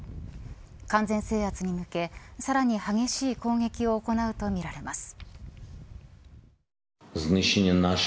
完全制圧に向けさらに激しい攻撃を行うとみられます。